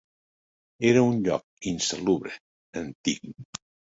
Era un lloc insalubre, antic.